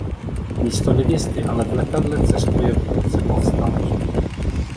Místo nevěsty ale v letadle cestuje vůdce povstalců.